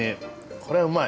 これはうまい！